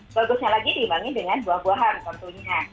bagusnya lagi diimbangi dengan buah buahan tentunya